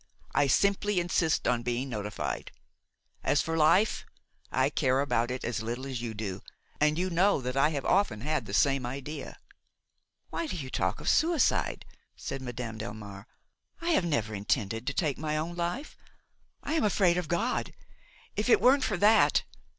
I simply insist on being notified: as for life, I care about it as little as you do, and you know that I have often had the same idea." "Why do you talk of suicide?" said Madame Delmare. "I have never intended to take my own life. I am afraid of God; if it weren't for that!